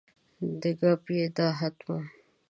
د ګپ یې دا حد و.